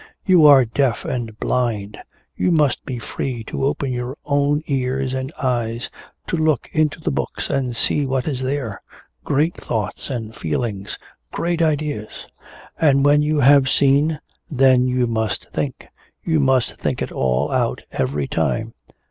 You are deaf and blind, you must be free to open your own ears and eyes, to look into the books and see what is there great thoughts and feelings, great ideas! And when you have seen, then you must think you must think it all out every time!